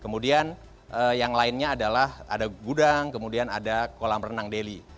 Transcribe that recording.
kemudian yang lainnya adalah ada gudang kemudian ada kolam renang deli